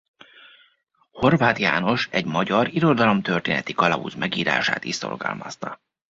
Horváth János egy magyar irodalomtörténeti kalauz megírását is szorgalmazta.